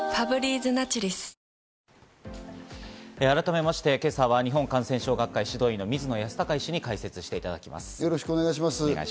改めまして今朝は日本感染症学会・指導医の水野泰孝医師に解説していただきます。